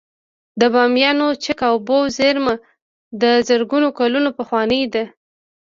د بامیانو چک اوبو زیرمه د زرګونه کلونو پخوانۍ ده